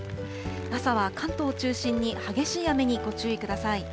朝は関東を中心に激しい雨にご注意ください。